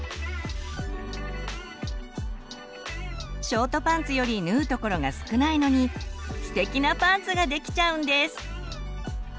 ショートパンツより縫うところが少ないのにステキなパンツができちゃうんです！